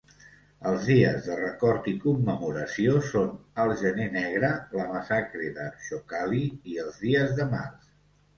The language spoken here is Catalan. Els dies de record i commemoració són el Gener negre, la Massacre de Xocalí i els Dies de març.